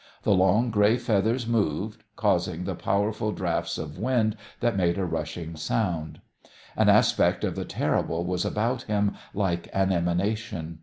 The long grey feathers moved, causing powerful draughts of wind that made a rushing sound. An aspect of the terrible was about him, like an emanation.